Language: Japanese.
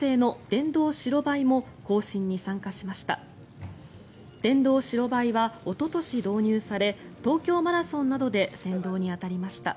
電動白バイはおととし導入され東京マラソンなどで先導に当たりました。